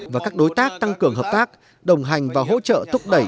và các đối tác tăng cường hợp tác đồng hành và hỗ trợ thúc đẩy